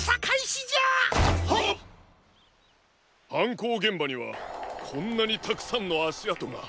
こうげんばにはこんなにたくさんのあしあとが。